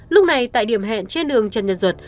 lúc này tại điểm hẹn trên đường trần nhân duật